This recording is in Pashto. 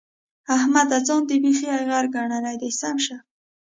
احمده! ځان دې بېخي ايغر ګڼلی دی؛ سم شه.